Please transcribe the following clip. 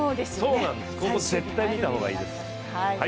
ここ、絶対見た方がいいです。